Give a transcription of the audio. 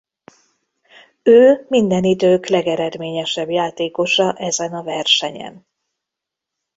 Ő minden idők legeredményesebb játékosa ezen a versenyen.